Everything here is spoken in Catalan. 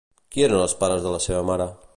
Qui eren els pares de la seva mare?